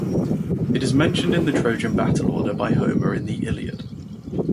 It is mentioned in the Trojan Battle Order by Homer in the "Iliad".